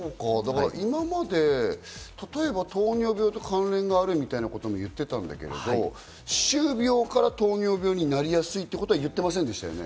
今まで例えば、糖尿病と関連があるみたいなことも言ってたんだけど、歯周病から糖尿病になりやすいってことは言ってませんでしたよね？